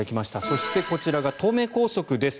そしてこちらが東名高速です。